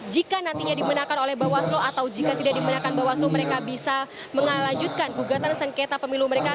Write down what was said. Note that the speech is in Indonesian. jika nantinya dimenangkan oleh bawaslu atau jika tidak dimenangkan bawaslu mereka bisa mengalanjutkan gugatan sengketa pemilu mereka